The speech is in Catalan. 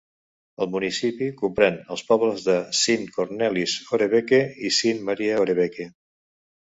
El municipi comprèn els pobles de Sint-Kornelis-Horebeke i Sint-Maria-Horebeke.